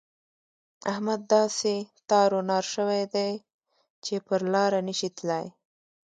احمد داسې تار و نار شوی دی چې پر لاره نه شي تلای.